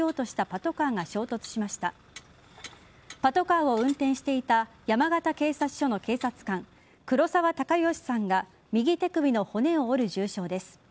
パトカーを運転していた山形警察署の警察官黒澤貴義さんが右手首の骨を折る重傷です。